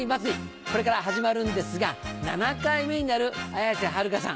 これから始まるんですが７回目になる綾瀬はるかさん。